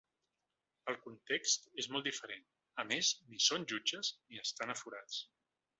El context és molt diferent; a més, ni són jutges ni estan aforats.